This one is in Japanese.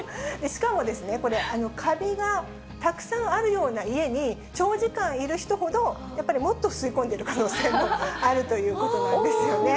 しかもこれ、カビがたくさんあるような家に長時間いる人ほど、やっぱりもっと吸い込んでる可能性もあるということなんですよね。